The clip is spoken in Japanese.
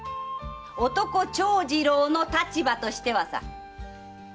男・長次郎の立場としてはさ？